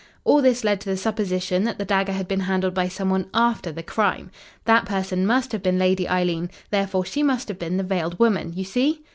"All this led to the supposition that the dagger had been handled by some one after the crime. That person must have been Lady Eileen therefore she must have been the veiled woman you see?